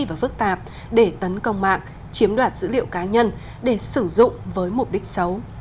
và phức tạp để tấn công mạng chiếm đoạt dữ liệu cá nhân để sử dụng với mục đích xấu